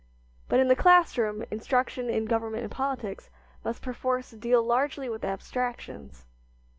But in the class room instruction in government and politics must perforce deal largely with abstractions.